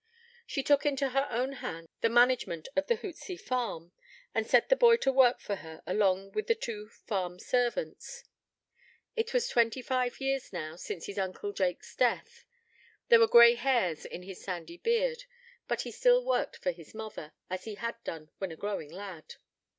She took into her own hands the management of the Hootsey farm, and set the boy to work for her along with the two farm servants. It was twenty five years now since his uncle Jake's death: there were grey hairs in his sandy beard; but he still worked for his mother, as he had done when a growing lad.